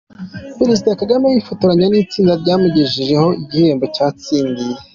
Perezida Kagame yifotoranya n’itsinda ryamugejejeho igihembo yatsindiye.